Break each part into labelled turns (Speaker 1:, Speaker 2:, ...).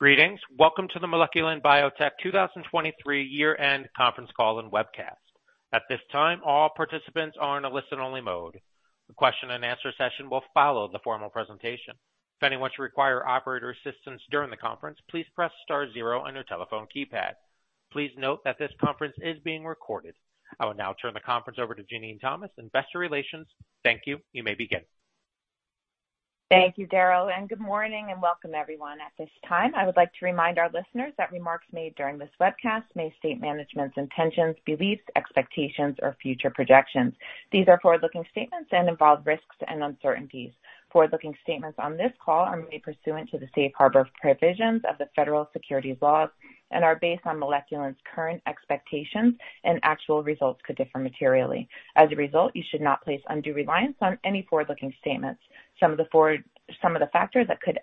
Speaker 1: Greetings. Welcome to the Moleculin Biotech 2023 year-end conference call and webcast. At this time, all participants are in a listen-only mode. A question-and-answer session will follow the formal presentation. If anyone should require operator assistance during the conference, please press star 0 on your telephone keypad. Please note that this conference is being recorded. I will now turn the conference over to Jenene Thomas, Investor Relations. Thank you. You may begin. Thank you, Daryl, and good morning and welcome, everyone. At this time, I would like to remind our listeners that remarks made during this webcast may state management's intentions, beliefs, expectations, or future projections. These are forward-looking statements and involve risks and uncertainties. Forward-looking statements on this call are made pursuant to the safe harbor provisions of the federal securities laws and are based on Moleculin's current expectations, and actual results could differ materially. As a result, you should not place undue reliance on any forward-looking statements. Some of the factors that could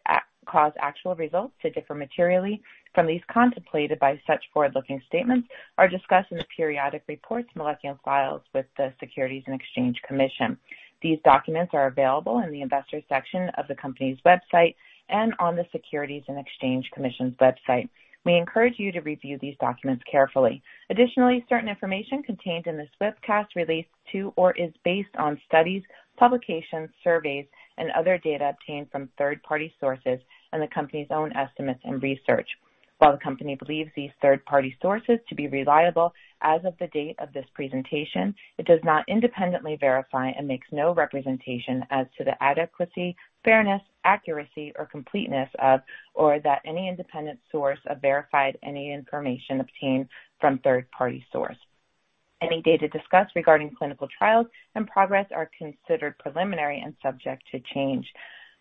Speaker 1: cause actual results to differ materially from these contemplated by such forward-looking statements are discussed in the periodic reports Moleculin files with the Securities and Exchange Commission. These documents are available in the Investors section of the company's website and on the Securities and Exchange Commission's website. We encourage you to review these documents carefully. Additionally, certain information contained in this webcast relates to or is based on studies, publications, surveys, and other data obtained from third-party sources and the company's own estimates and research. While the company believes these third-party sources to be reliable as of the date of this presentation, it does not independently verify and makes no representation as to the adequacy, fairness, accuracy, or completeness of or that any independent source have verified any information obtained from third-party source. Any data discussed regarding clinical trials and progress are considered preliminary and subject to change.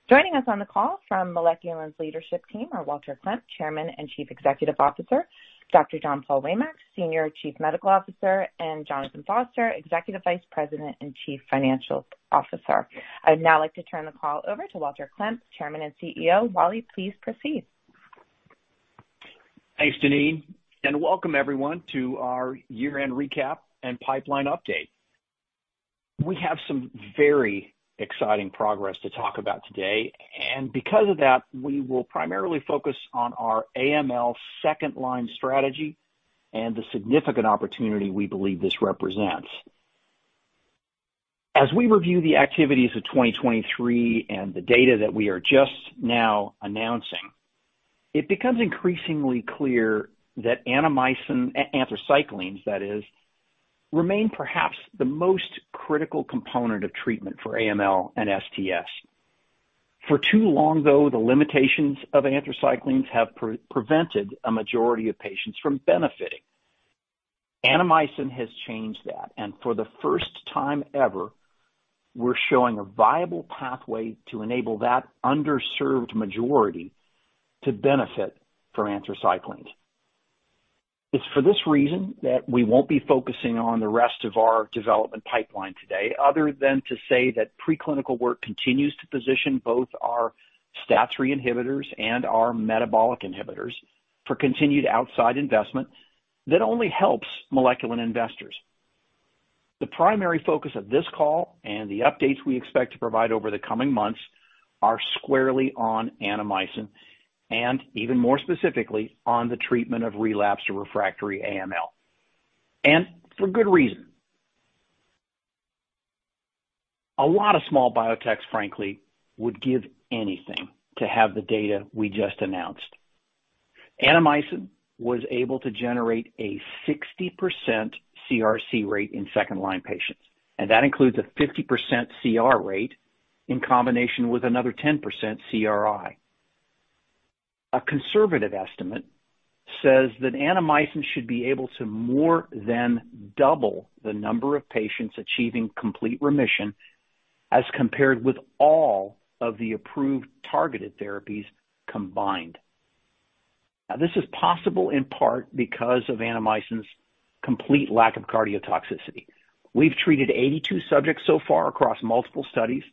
Speaker 1: Joining us on the call from Moleculin's leadership team are Walter Klemp, Chairman and Chief Executive Officer, Dr. John Paul Waymack, Senior Chief Medical Officer, and Jonathan Foster, Executive Vice President and Chief Financial Officer. I would now like to turn the call over to Walter Klemp, Chairman and CEO. Wally, please proceed.
Speaker 2: Thanks, Jenene. Welcome, everyone, to our year-end recap and pipeline update. We have some very exciting progress to talk about today, and because of that, we will primarily focus on our AML second-line strategy and the significant opportunity we believe this represents. As we review the activities of 2023 and the data that we are just now announcing, it becomes increasingly clear that anthracyclines, that is, remain perhaps the most critical component of treatment for AML and STS. For too long, though, the limitations of anthracyclines have prevented a majority of patients from benefiting. Annamycin has changed that, and for the first time ever, we're showing a viable pathway to enable that underserved majority to benefit from anthracyclines. It's for this reason that we won't be focusing on the rest of our development pipeline today, other than to say that preclinical work continues to position both our STAT3 inhibitors and our metabolic inhibitors for continued outside investment that only helps Moleculin investors. The primary focus of this call and the updates we expect to provide over the coming months are squarely on Annamycin and, even more specifically, on the treatment of relapsed or refractory AML, and for good reason. A lot of small biotechs, frankly, would give anything to have the data we just announced. Annamycin was able to generate a 60% CRC rate in second-line patients, and that includes a 50% CR rate in combination with another 10% CRI. A conservative estimate says that Annamycin should be able to more than double the number of patients achieving complete remission as compared with all of the approved targeted therapies combined. Now, this is possible in part because of Annamycin's complete lack of cardiotoxicity. We've treated 82 subjects so far across multiple studies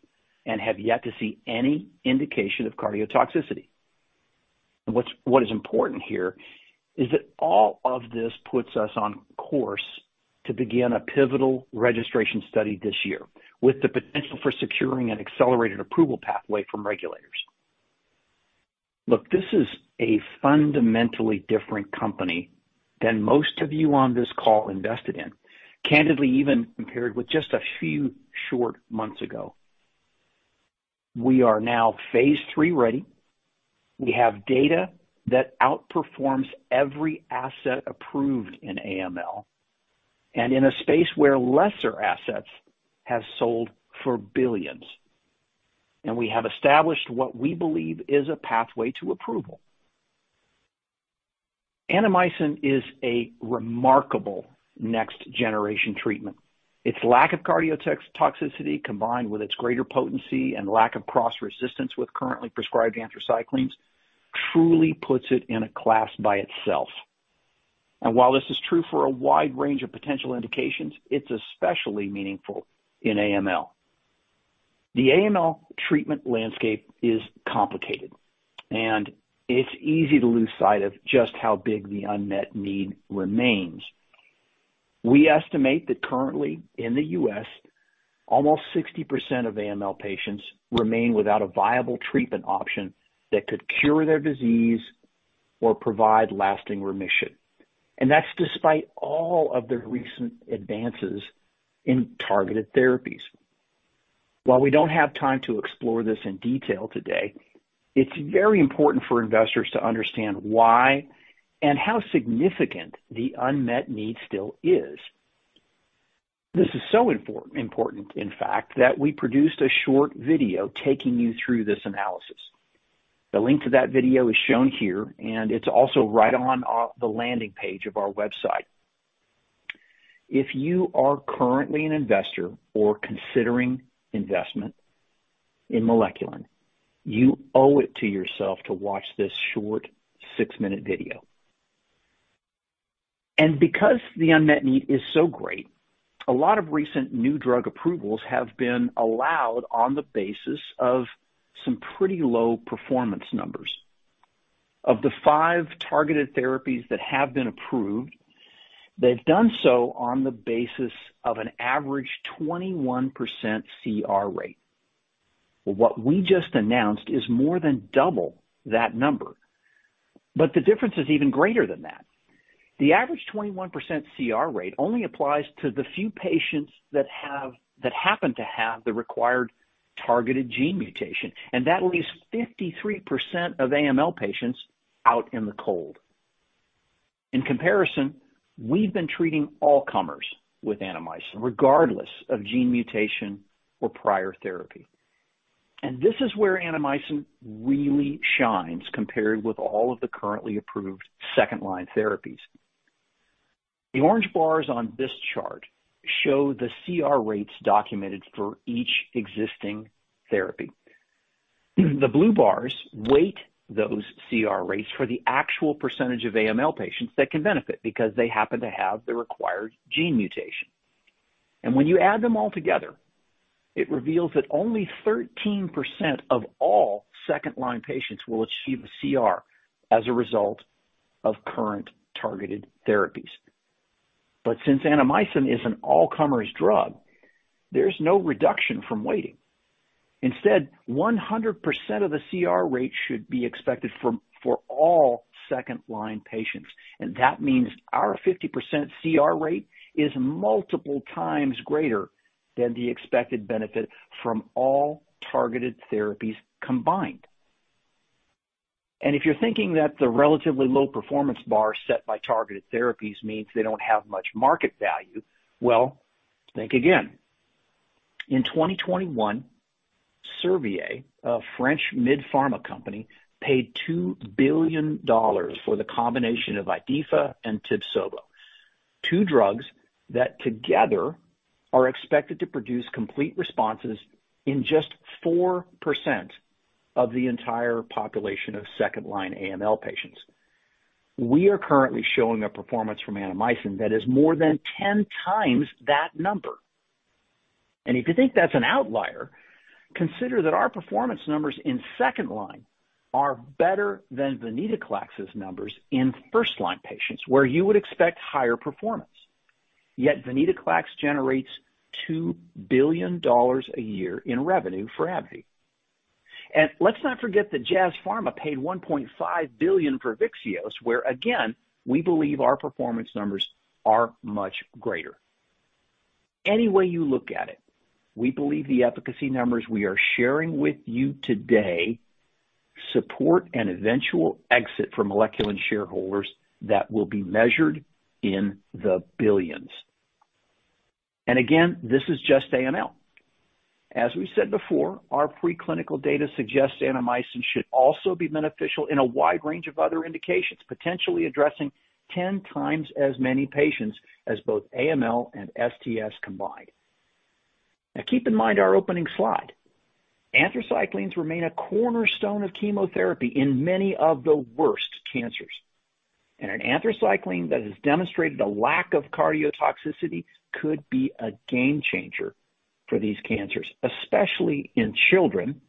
Speaker 2: and have yet to see any indication of cardiotoxicity. What is important here is that all of this puts us on course to begin a pivotal registration study this year with the potential for securing an accelerated approval pathway from regulators. Look, this is a fundamentally different company than most of you on this call invested in, candidly, even compared with just a few short months ago. We are now phase 3 ready. We have data that outperforms every asset approved in AML and in a space where lesser assets have sold for $ billions, and we have established what we believe is a pathway to approval. Annamycin is a remarkable next-generation treatment. Its lack of cardiotoxicity combined with its greater potency and lack of cross-resistance with currently prescribed anthracyclines truly puts it in a class by itself. While this is true for a wide range of potential indications, it's especially meaningful in AML. The AML treatment landscape is complicated, and it's easy to lose sight of just how big the unmet need remains. We estimate that currently, in the U.S., almost 60% of AML patients remain without a viable treatment option that could cure their disease or provide lasting remission, and that's despite all of the recent advances in targeted therapies. While we don't have time to explore this in detail today, it's very important for investors to understand why and how significant the unmet need still is. This is so important, in fact, that we produced a short video taking you through this analysis. The link to that video is shown here, and it's also right on the landing page of our website. If you are currently an investor or considering investment in Moleculin, you owe it to yourself to watch this short six-minute video. And because the unmet need is so great, a lot of recent new drug approvals have been allowed on the basis of some pretty low performance numbers. Of the five targeted therapies that have been approved, they've done so on the basis of an average 21% CR rate. Well, what we just announced is more than double that number, but the difference is even greater than that. The average 21% CR rate only applies to the few patients that happen to have the required targeted gene mutation, and that leaves 53% of AML patients out in the cold. In comparison, we've been treating all-comers with Annamycin regardless of gene mutation or prior therapy, and this is where Annamycin really shines compared with all of the currently approved second-line therapies. The orange bars on this chart show the CR rates documented for each existing therapy. The blue bars weight those CR rates for the actual percentage of AML patients that can benefit because they happen to have the required gene mutation. And when you add them all together, it reveals that only 13% of all second-line patients will achieve a CR as a result of current targeted therapies. But since Annamycin is an all-comers drug, there's no reduction from weighting. Instead, 100% of the CR rate should be expected for all second-line patients, and that means our 50% CR rate is multiple times greater than the expected benefit from all targeted therapies combined. And if you're thinking that the relatively low performance bar set by targeted therapies means they don't have much market value, well, think again. In 2021, Servier, a French mid-pharma company, paid $2 billion for the combination of IDHIFA and TIBSOVO, two drugs that together are expected to produce complete responses in just 4% of the entire population of second-line AML patients. We are currently showing a performance from Annamycin that is more than 10 times that number. And if you think that's an outlier, consider that our performance numbers in second-line are better than VENCLEXTA's numbers in first-line patients, where you would expect higher performance. Yet, VENCLEXTA generates $2 billion a year in revenue for AbbVie. And let's not forget that Jazz Pharmaceuticals paid $1.5 billion for Vyxeos, where, again, we believe our performance numbers are much greater. Any way you look at it, we believe the efficacy numbers we are sharing with you today support an eventual exit for Moleculin shareholders that will be measured in the billions. And again, this is just AML. As we said before, our preclinical data suggests Annamycin should also be beneficial in a wide range of other indications, potentially addressing 10 times as many patients as both AML and STS combined. Now, keep in mind our opening slide. Anthracyclines remain a cornerstone of chemotherapy in many of the worst cancers, and an anthracycline that has demonstrated a lack of cardiotoxicity could be a game-changer for these cancers, especially in children,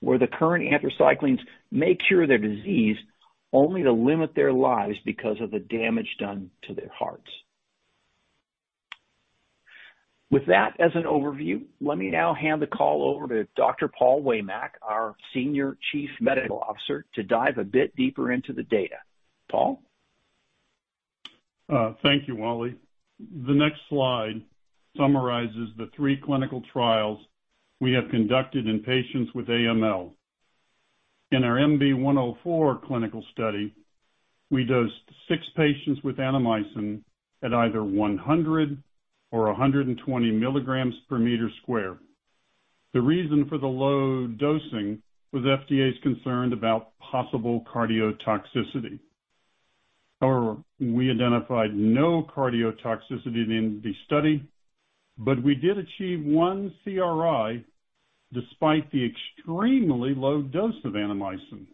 Speaker 2: where the current anthracyclines may cure their disease only to limit their lives because of the damage done to their hearts. With that as an overview, let me now hand the call over to Dr. John Paul Waymack, our Senior Chief Medical Officer, to dive a bit deeper into the data. Paul?
Speaker 3: Thank you, Wally. The next slide summarizes the three clinical trials we have conducted in patients with AML. In our MB104 clinical study, we dosed 6 patients with Annamycin at either 100 or 120 milligrams per square meter. The reason for the low dosing was FDA's concern about possible cardiotoxicity. However, we identified no cardiotoxicity in the study, but we did achieve one CRI despite the extremely low dose of Annamycin.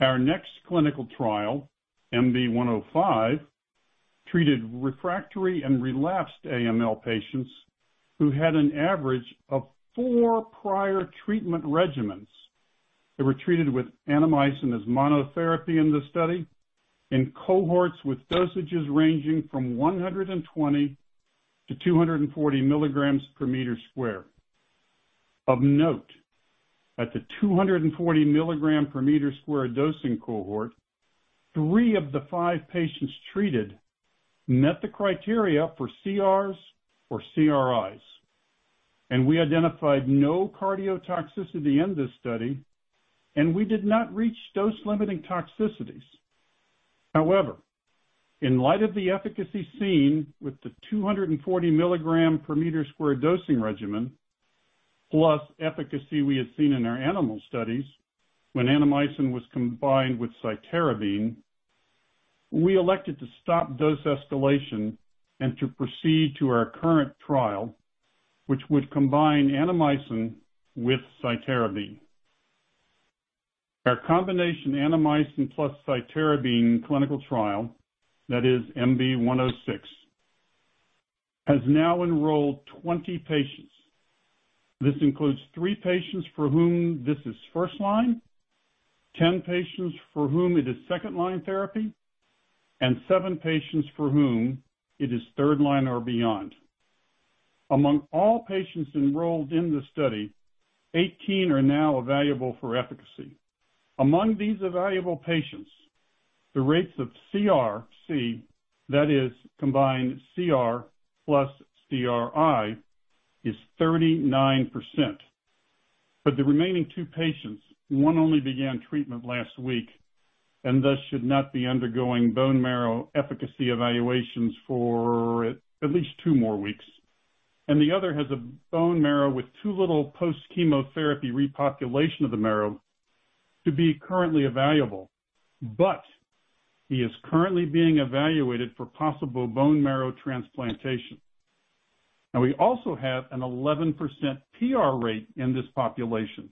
Speaker 3: Our next clinical trial, MB105, treated refractory and relapsed AML patients who had an average of 4 prior treatment regimens. They were treated with Annamycin as monotherapy in the study in cohorts with dosages ranging from 120-240 milligrams per square meter. Of note, at the 240 milligrams per square meter dosing cohort, three of the five patients treated met the criteria for CRs or CRIs, and we identified no cardiotoxicity in this study, and we did not reach dose-limiting toxicities. However, in light of the efficacy seen with the 240 milligrams per square meter dosing regimen plus efficacy we had seen in our animal studies when Annamycin was combined with cytarabine, we elected to stop dose escalation and to proceed to our current trial, which would combine Annamycin with cytarabine. Our combination Annamycin plus cytarabine clinical trial, that is MB106, has now enrolled 20 patients. This includes three patients for whom this is first-line, 10 patients for whom it is second-line therapy, and seven patients for whom it is third-line or beyond. Among all patients enrolled in the study, 18 are now evaluable for efficacy. Among these evaluable patients, the rates of CRC, that is, combined CR plus CRI, is 39%. But the remaining two patients, one only began treatment last week and thus should not be undergoing bone marrow efficacy evaluations for at least two more weeks, and the other has a bone marrow with too little post-chemotherapy repopulation of the marrow to be currently evaluable, but he is currently being evaluated for possible bone marrow transplantation. Now, we also have an 11% PR rate in this population.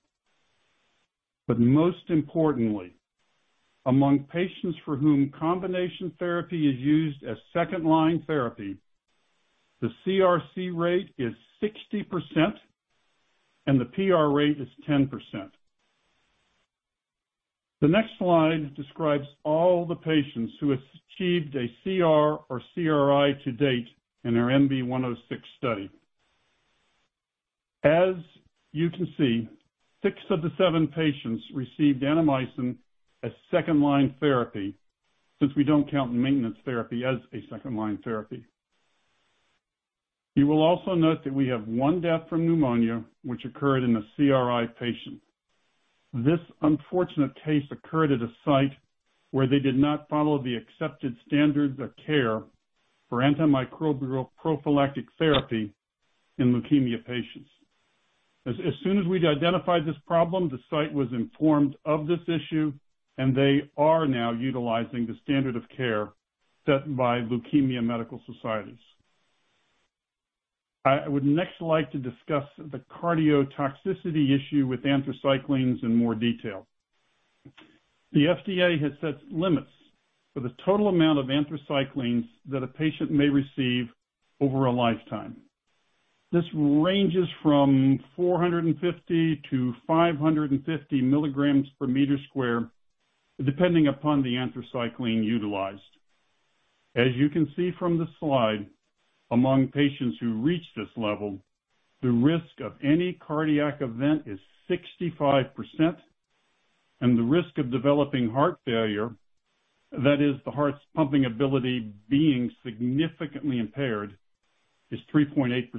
Speaker 3: But most importantly, among patients for whom combination therapy is used as second-line therapy, the CRC rate is 60% and the PR rate is 10%. The next slide describes all the patients who have achieved a CR or CRI to date in our MB106 study. As you can see, six of the seven patients received Annamycin as second-line therapy since we don't count maintenance therapy as a second-line therapy. You will also note that we have one death from pneumonia, which occurred in a CRI patient. This unfortunate case occurred at a site where they did not follow the accepted standards of care for antimicrobial prophylactic therapy in leukemia patients. As soon as we identified this problem, the site was informed of this issue, and they are now utilizing the standard of care set by Leukemia Medical Societies. I would next like to discuss the cardiotoxicity issue with anthracyclines in more detail. The FDA has set limits for the total amount of anthracyclines that a patient may receive over a lifetime. This ranges from 450-550 milligrams per square meter, depending upon the anthracycline utilized. As you can see from the slide, among patients who reach this level, the risk of any cardiac event is 65%, and the risk of developing heart failure, that is, the heart's pumping ability being significantly impaired, is 3.8%.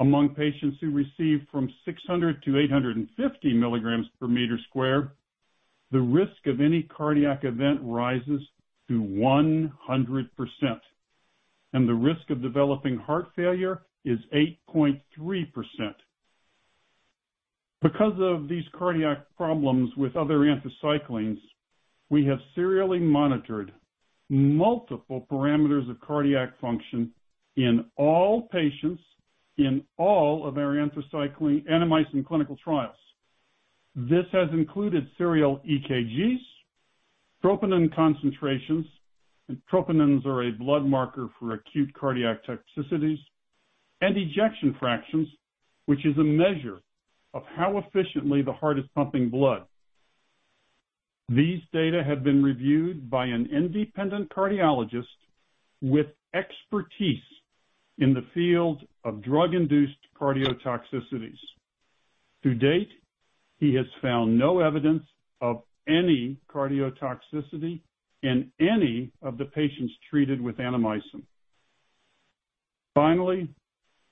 Speaker 3: Among patients who receive 600-850 milligrams per square meter, the risk of any cardiac event rises to 100%, and the risk of developing heart failure is 8.3%. Because of these cardiac problems with other anthracyclines, we have serially monitored multiple parameters of cardiac function in all patients in all of our Annamycin clinical trials. This has included serial EKGs, troponin concentrations (and troponins are a blood marker for acute cardiac toxicities), and ejection fractions, which is a measure of how efficiently the heart is pumping blood. These data have been reviewed by an independent cardiologist with expertise in the field of drug-induced cardiotoxicities. To date, he has found no evidence of any cardiotoxicity in any of the patients treated with Annamycin. Finally,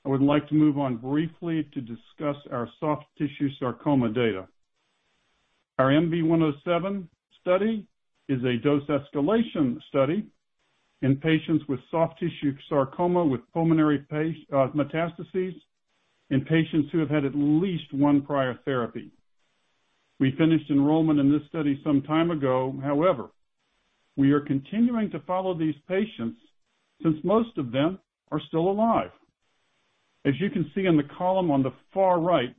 Speaker 3: I would like to move on briefly to discuss our Soft Tissue Sarcoma data. Our MB107 study is a dose escalation study in patients with Soft Tissue Sarcoma with pulmonary metastases in patients who have had at least one prior therapy. We finished enrollment in this study some time ago. However, we are continuing to follow these patients since most of them are still alive. As you can see in the column on the far right,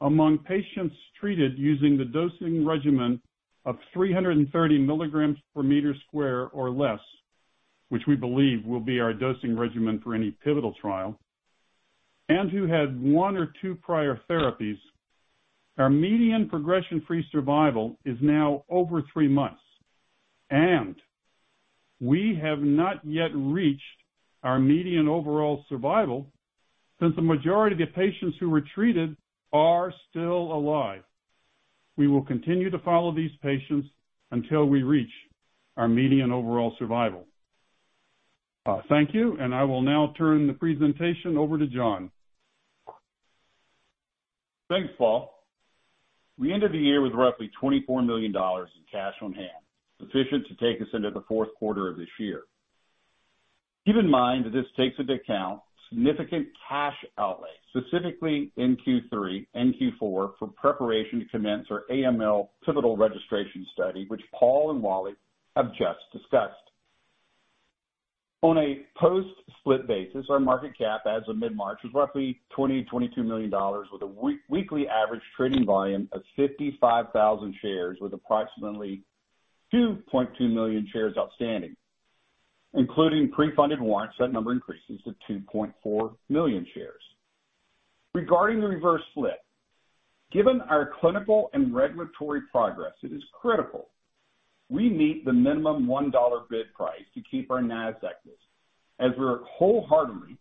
Speaker 3: among patients treated using the dosing regimen of 330 milligrams per square meter or less, which we believe will be our dosing regimen for any pivotal trial, and who had 1 or 2 prior therapies, our median progression-free survival is now over 3 months, and we have not yet reached our median overall survival since the majority of the patients who were treated are still alive. We will continue to follow these patients until we reach our median overall survival. Thank you, and I will now turn the presentation over to John.
Speaker 4: Thanks, Paul. We ended the year with roughly $24 million in cash on hand, sufficient to take us into the Q4 of this year. Keep in mind that this takes into account significant cash outlays, specifically in Q3 and Q4, for preparation to commence our AML pivotal registration study, which Paul and Wally have just discussed. On a post-split basis, our market cap as of mid-March was roughly $20-$22 million with a weekly average trading volume of 55,000 shares, with approximately 2.2 million shares outstanding, including pre-funded warrants; that number increases to 2.4 million shares. Regarding the reverse split, given our clinical and regulatory progress, it is critical we meet the minimum $1 bid price to keep our Nasdaq list. As we're wholeheartedly,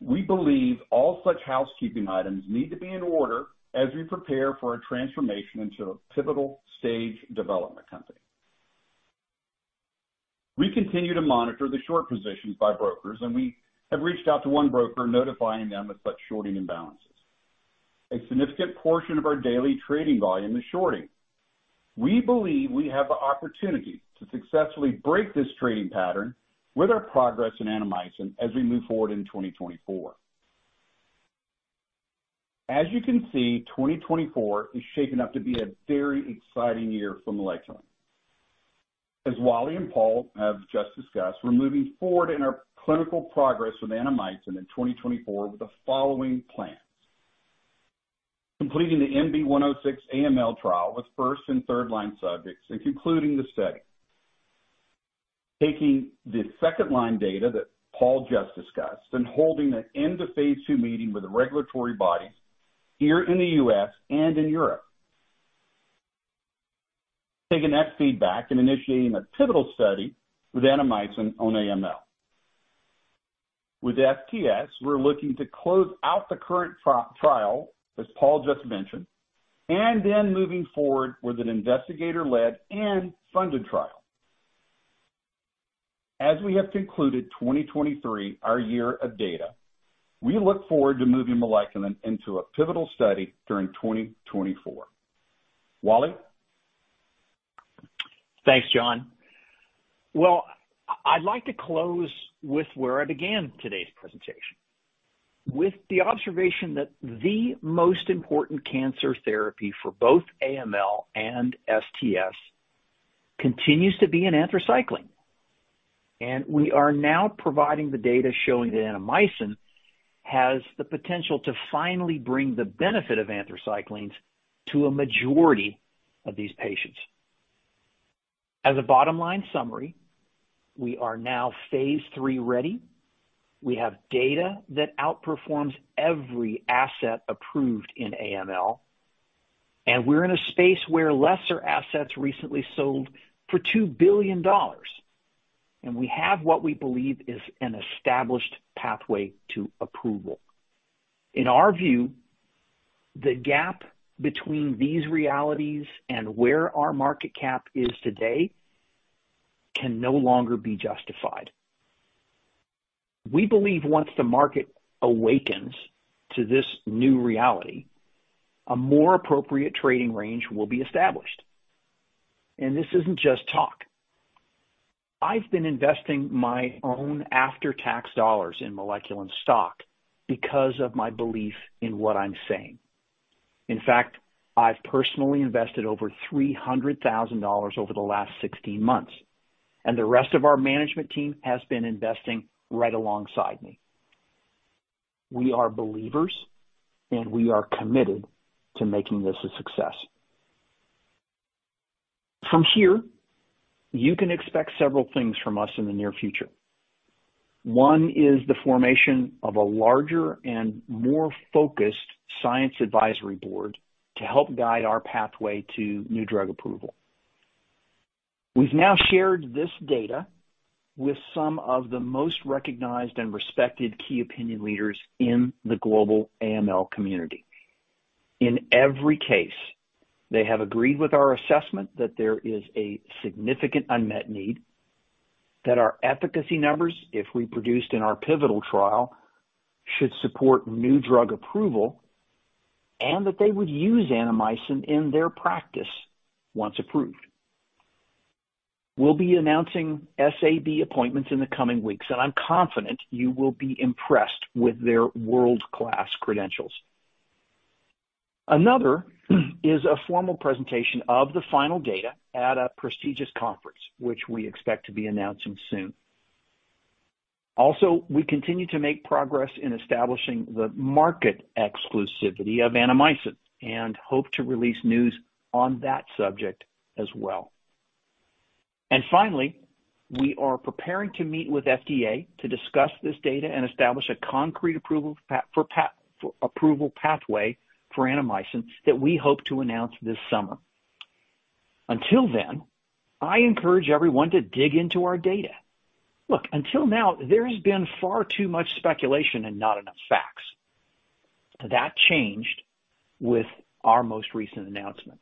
Speaker 4: we believe all such housekeeping items need to be in order as we prepare for a transformation into a pivotal stage development company. We continue to monitor the short positions by brokers, and we have reached out to one broker, notifying them of such shorting imbalances. A significant portion of our daily trading volume is shorting. We believe we have the opportunity to successfully break this trading pattern with our progress in Annamycin as we move forward in 2024. As you can see, 2024 is shaping up to be a very exciting year for Moleculin. As Wally and Paul have just discussed, we're moving forward in our clinical progress with Annamycin in 2024 with the following plans: completing the MB106 AML trial with first and third-line subjects and concluding the study. Taking the second-line data that Paul just discussed and holding an end-to-phase two meeting with the regulatory bodies here in the U.S. and in Europe. Taking that feedback and initiating a pivotal study with Annamycin on AML. With STS, we're looking to close out the current trial, as Paul just mentioned, and then moving forward with an investigator-led and funded trial. As we have concluded 2023, our year of data, we look forward to moving Moleculin into a pivotal study during 2024. Wally?
Speaker 2: Thanks, John. Well, I'd like to close with where I began today's presentation, with the observation that the most important cancer therapy for both AML and STS continues to be anthracyclines. And we are now providing the data showing that Annamycin has the potential to finally bring the benefit of anthracyclines to a majority of these patients. As a bottom-line summary, we are now phase 3 ready. We have data that outperforms every asset approved in AML, and we're in a space where lesser assets recently sold for $2 billion, and we have what we believe is an established pathway to approval. In our view, the gap between these realities and where our market cap is today can no longer be justified. We believe once the market awakens to this new reality, a more appropriate trading range will be established. And this isn't just talk. I've been investing my own after-tax dollars in Moleculin stock because of my belief in what I'm saying. In fact, I've personally invested over $300,000 over the last 16 months, and the rest of our management team has been investing right alongside me. We are believers, and we are committed to making this a success. From here, you can expect several things from us in the near future. One is the formation of a larger and more focused science advisory board to help guide our pathway to new drug approval. We've now shared this data with some of the most recognized and respected key opinion leaders in the global AML community. In every case, they have agreed with our assessment that there is a significant unmet need, that our efficacy numbers, if we produced in our pivotal trial, should support new drug approval, and that they would use Annamycin in their practice once approved. We'll be announcing SAB appointments in the coming weeks, and I'm confident you will be impressed with their world-class credentials. Another is a formal presentation of the final data at a prestigious conference, which we expect to be announcing soon. Also, we continue to make progress in establishing the market exclusivity of Annamycin and hope to release news on that subject as well. And finally, we are preparing to meet with FDA to discuss this data and establish a concrete approval pathway for Annamycin that we hope to announce this summer. Until then, I encourage everyone to dig into our data. Look, until now, there has been far too much speculation and not enough facts. That changed with our most recent announcement.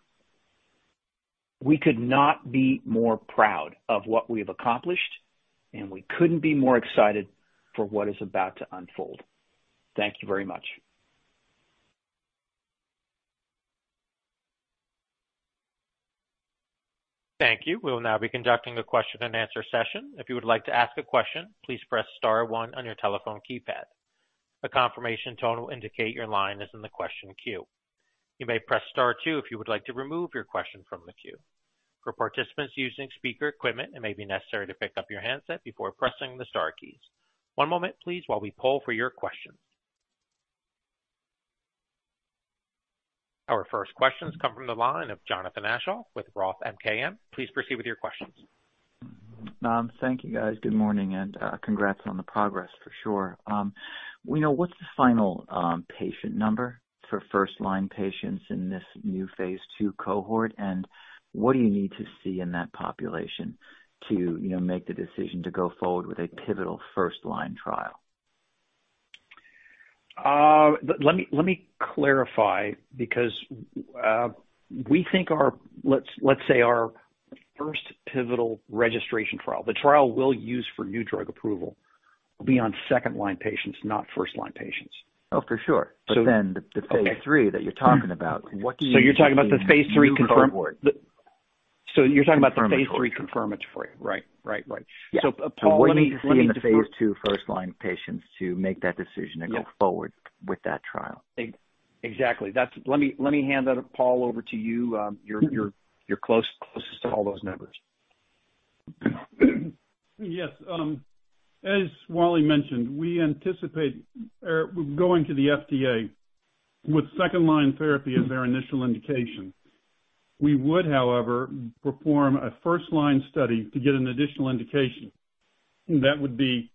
Speaker 2: We could not be more proud of what we have accomplished, and we couldn't be more excited for what is about to unfold. Thank you very much.
Speaker 1: Thank you. We will now be conducting a question-and-answer session. If you would like to ask a question, please press star 1 on your telephone keypad. A confirmation tone will indicate your line is in the question queue. You may press star 2 if you would like to remove your question from the queue. For participants using speaker equipment, it may be necessary to pick up your handset before pressing the star keys. One moment, please, while we poll for your questions. Our first questions come from the line of Jonathan Aschoff with Roth MKM. Please proceed with your questions.
Speaker 5: Thank you, guys. Good morning, and congrats on the progress, for sure. What's the final patient number for first-line patients in this new phase 2 cohort, and what do you need to see in that population to make the decision to go forward with a pivotal first-line trial?
Speaker 2: Let me clarify because we think our, let's say, our first pivotal registration trial, the trial we'll use for new drug approval, will be on second-line patients, not first-line patients.
Speaker 5: Oh, for sure. But then the phase 3 that you're talking about, what do you mean?
Speaker 2: You're talking about the Phase 3 confirm?
Speaker 5: So you're talking about the phase 3 confirmatory, right? Right, right. So Paul, we need to see. So what do you need to see in the phase 2 first-line patients to make that decision to go forward with that trial?
Speaker 2: Exactly. Let me hand that, Paul, over to you. You're closest to all those numbers.
Speaker 3: Yes. As Wally mentioned, we anticipate going to the FDA with second-line therapy as our initial indication. We would, however, perform a first-line study to get an additional indication. That would be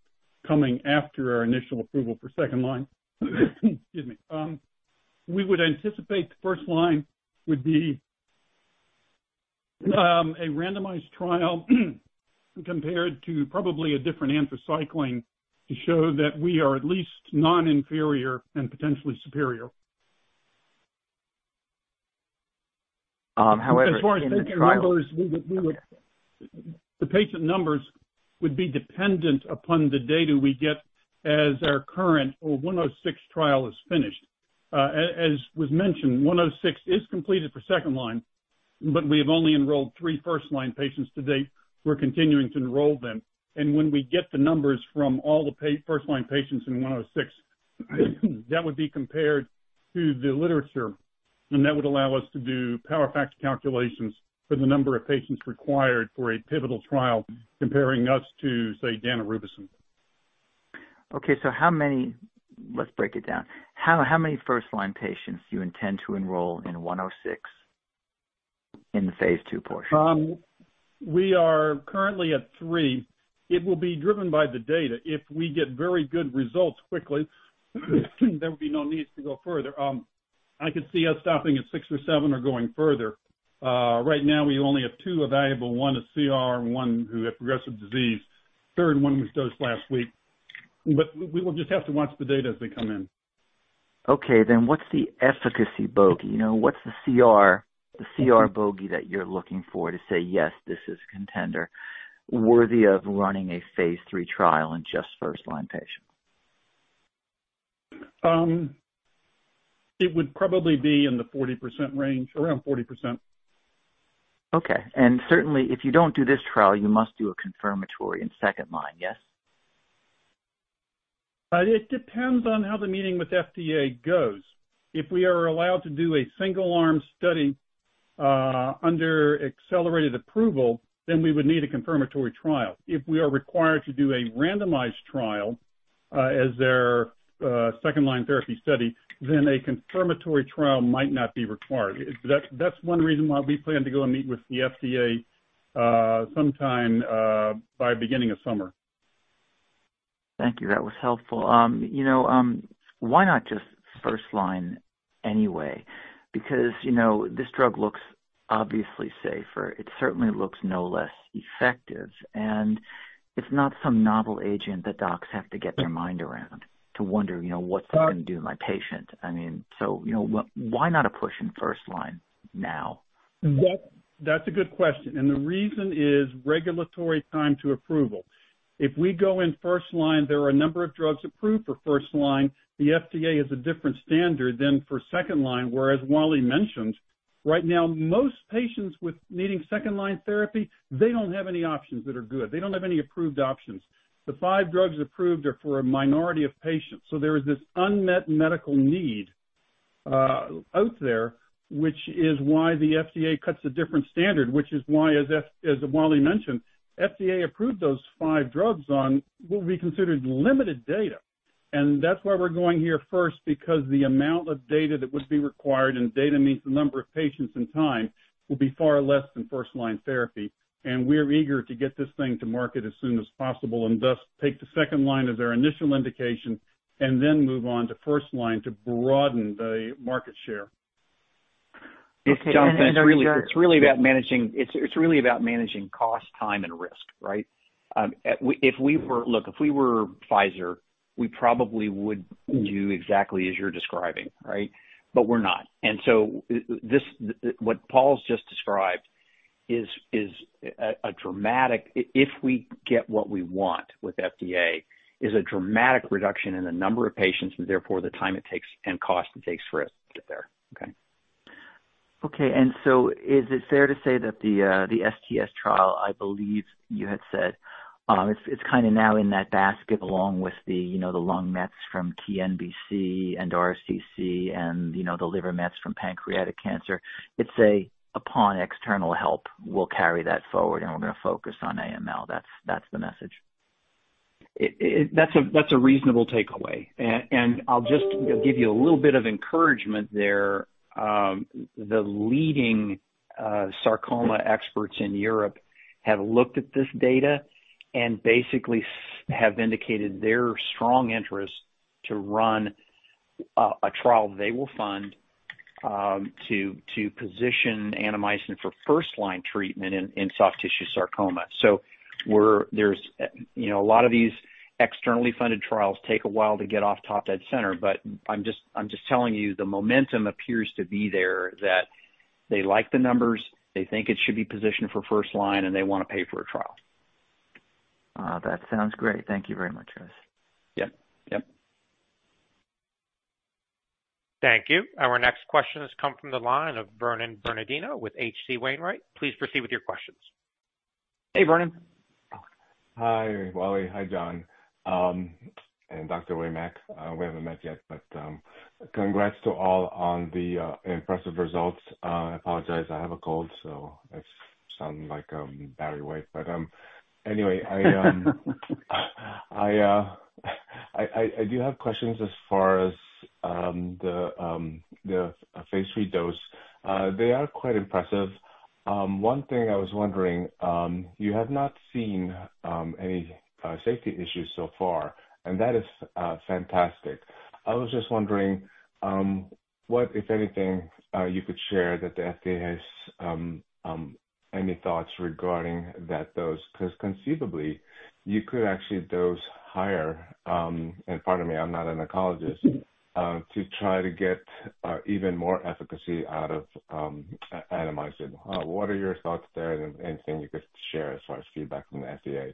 Speaker 3: coming after our initial approval for second-line. Excuse me. We would anticipate the first-line would be a randomized trial compared to probably a different anthracycline to show that we are at least non-inferior and potentially superior.
Speaker 5: However, in the trial.
Speaker 3: As far as patient numbers, the patient numbers would be dependent upon the data we get as our current 106 trial is finished. As was mentioned, 106 is completed for second-line, but we have only enrolled 3 first-line patients to date. We're continuing to enroll them. When we get the numbers from all the first-line patients in 106, that would be compared to the literature, and that would allow us to do power factor calculations for the number of patients required for a pivotal trial, comparing us to, say, daunorubicin.
Speaker 5: Okay. So how many? Let's break it down. How many first-line patients do you intend to enroll in 106 in the phase two portion?
Speaker 3: We are currently at 3. It will be driven by the data. If we get very good results quickly, there will be no need to go further. I could see us stopping at 6 or 7 or going further. Right now, we only have 2 available: 1 is CR and 1 who have progressive disease. Third one was dosed last week. But we will just have to watch the data as they come in.
Speaker 5: Okay. Then what's the efficacy bogey? What's the CR bogey that you're looking for to say, "Yes, this is a contender," worthy of running a phase 3 trial in just first-line patients?
Speaker 3: It would probably be in the 40% range, around 40%.
Speaker 5: Okay. Certainly, if you don't do this trial, you must do a confirmatory in second-line, yes?
Speaker 3: It depends on how the meeting with FDA goes. If we are allowed to do a single-arm study under accelerated approval, then we would need a confirmatory trial. If we are required to do a randomized trial as their second-line therapy study, then a confirmatory trial might not be required. That's one reason why we plan to go and meet with the FDA sometime by beginning of summer.
Speaker 5: Thank you. That was helpful. Why not just first-line anyway? Because this drug looks obviously safer. It certainly looks no less effective. And it's not some novel agent that docs have to get their mind around to wonder, "What's this going to do to my patient?" I mean. So why not a push in first-line now?
Speaker 3: That's a good question. And the reason is regulatory time to approval. If we go in first-line, there are a number of drugs approved for first-line. The FDA has a different standard than for second-line, whereas Wally mentioned, right now, most patients needing second-line therapy, they don't have any options that are good. They don't have any approved options. The five drugs approved are for a minority of patients. So there is this unmet medical need out there, which is why the FDA cuts a different standard, which is why, as Wally mentioned, FDA approved those five drugs on what would be considered limited data. And that's why we're going here first, because the amount of data that would be required - and data means the number of patients and time - will be far less than first-line therapy. We're eager to get this thing to market as soon as possible and thus take the second-line as our initial indication and then move on to first-line to broaden the market share.
Speaker 5: Jonathan, it's really about managing cost, time, and risk, right? If we were Pfizer, we probably would do exactly as you're describing, right? But we're not. And so what Paul's just described is a dramatic, if we get what we want with FDA, reduction in the number of patients and, therefore, the time it takes and cost it takes for us to get there, okay? Okay. And so is it fair to say that the STS trial, I believe you had said, it's kind of now in that basket along with the lung mets from TNBC and RCC and the liver mets from pancreatic cancer? It's a, "Upon external help, we'll carry that forward, and we're going to focus on AML." That's the message?
Speaker 2: That's a reasonable takeaway. And I'll just give you a little bit of encouragement there. The leading sarcoma experts in Europe have looked at this data and basically have indicated their strong interest to run a trial they will fund to position Annamycin for first-line treatment in soft tissue sarcoma. So there's a lot of these externally funded trials take a while to get off top dead center, but I'm just telling you, the momentum appears to be there that they like the numbers, they think it should be positioned for first-line, and they want to pay for a trial.
Speaker 5: That sounds great. Thank you very much, Chris.
Speaker 2: Yep, yep.
Speaker 1: Thank you. Our next question has come from the line of Vernon Bernardino with H.C. Wainwright. Please proceed with your questions.
Speaker 2: Hey, Vernon.
Speaker 6: Hi, Wally. Hi, John. And Dr. Waymack. We haven't met yet, but congrats to all on the impressive results. I apologize. I have a cold, so it sounded like a battery wipe. Anyway, I do have questions as far as the phase 3 dose. They are quite impressive. One thing I was wondering, you have not seen any safety issues so far, and that is fantastic. I was just wondering what, if anything, you could share that the FDA has any thoughts regarding those because conceivably, you could actually dose higher - and pardon me, I'm not an oncologist - to try to get even more efficacy out of Annamycin. What are your thoughts there and anything you could share as far as feedback from the FDA?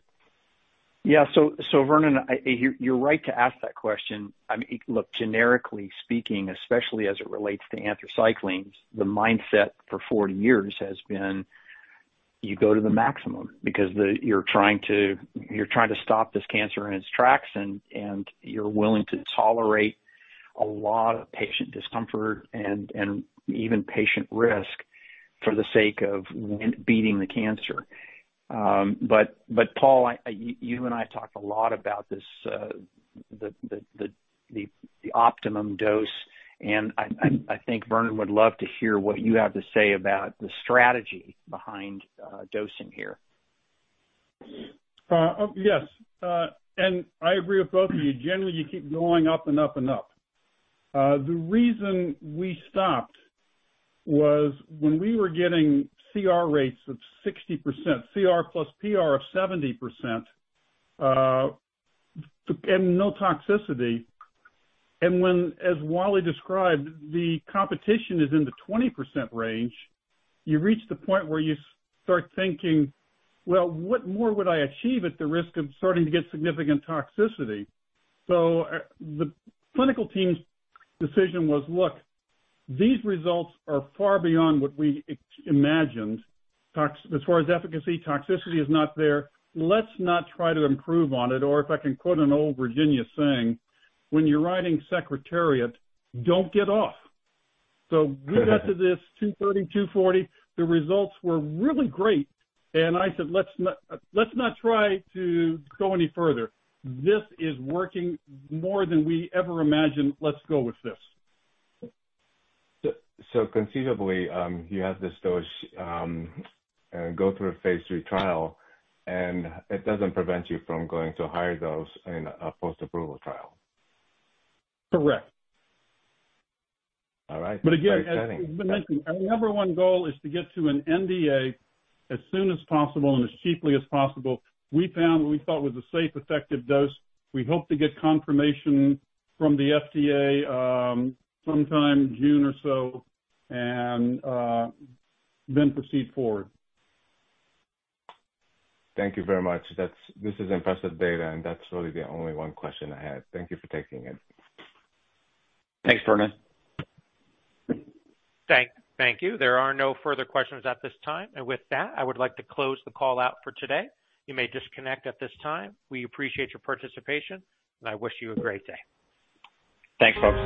Speaker 5: Yeah. So Vernon, you're right to ask that question. Look, generically speaking, especially as it relates to Anthracycline, the mindset for 40 years has been you go to the maximum because you're trying to stop this cancer in its tracks, and you're willing to tolerate a lot of patient discomfort and even patient risk for the sake of beating the cancer. But Paul, you and I have talked a lot about this, the optimum dose, and I think Vernon would love to hear what you have to say about the strategy behind dosing here.
Speaker 3: Yes. I agree with both of you. Generally, you keep going up and up and up. The reason we stopped was when we were getting CR rates of 60%, CR plus PR of 70%, and no toxicity. When, as Wally described, the competition is in the 20% range, you reach the point where you start thinking, "Well, what more would I achieve at the risk of starting to get significant toxicity?" The clinical team's decision was, "Look, these results are far beyond what we imagined. As far as efficacy, toxicity is not there. Let's not try to improve on it." Or if I can quote an old Virginia saying, "When you're riding Secretariat, don't get off." So we got to this 230, 240. The results were really great, and I said, "Let's not try to go any further. This is working more than we ever imagined. Let's go with this.
Speaker 6: Conceivably, you have this dose and go through a Phase 3 trial, and it doesn't prevent you from going to a higher dose in a post-approval trial.
Speaker 3: Correct.
Speaker 6: All right. Very exciting.
Speaker 3: But again, as you've been mentioning, our number one goal is to get to an NDA as soon as possible and as cheaply as possible. We found what we thought was a safe, effective dose. We hope to get confirmation from the FDA sometime June or so and then proceed forward.
Speaker 6: Thank you very much. This is impressive data, and that's really the only one question I had. Thank you for taking it.
Speaker 5: Thanks, Vernon.
Speaker 1: Thank you. There are no further questions at this time. With that, I would like to close the call out for today. You may disconnect at this time. We appreciate your participation, and I wish you a great day.
Speaker 5: Thanks, folks.